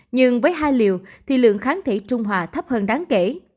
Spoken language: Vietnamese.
nhưng với hai liều thì lượng kháng thể trung hòa thấp hơn đáng kể